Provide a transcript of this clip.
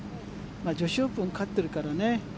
女子オープン勝ってますからね。